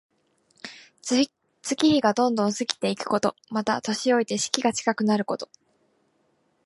月日がどんどん過ぎていくこと。また、年老いて死期が近くなること。